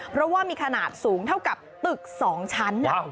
เพราะว่ามีขนาดสูงเท่ากับตึก๒ชั้น